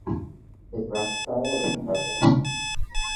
His graphic style is striking.